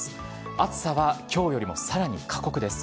暑さはきょうよりもさらに過酷です。